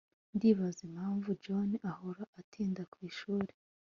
Ndibaza impamvu John ahora atinda kwishuri